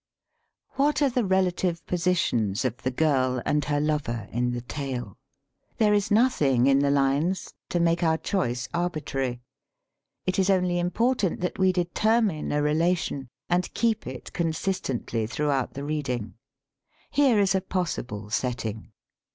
What are the relative positions of the girl and her lover in the "Tale" ? There is nothing in the lines 206 DRAMATIC MONOLOGUE AND PLAY to make our choice arbitrary. It is only im portant that we determine a relation and keep it consistently throughout the reading. Here is a possible "setting.'